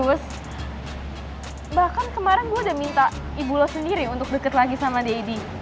terus bahkan kemarin gue udah minta ibu lo sendiri untuk deket lagi sama deddy